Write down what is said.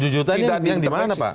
tujuh juta itu yang dimana pak